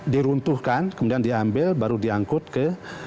diruntuhkan kemudian diambil baru diangkut ke